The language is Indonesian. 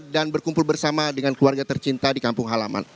dan berkumpul bersama dengan keluarga tercinta di kampung halaman